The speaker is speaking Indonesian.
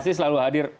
pasti selalu hadir